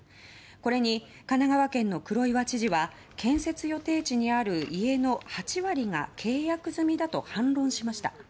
これに、神奈川県の黒岩知事は建設予定地にある家の８割が契約済みだと反論しました。